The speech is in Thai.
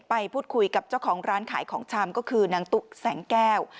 ไปพูดคุยกับเจ้าของร้านขายของชำก็คือนางตุ๊กแสงแก้ว